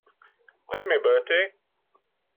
Leave me, Bertie.